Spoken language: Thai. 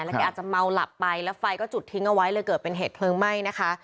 แล้วก็อาจจะเมาหลับไปแล้วไฟก็จุดทิ้งเอาไว้เลยเกิดเป็นเหตุเพลิงไหม้นะคะ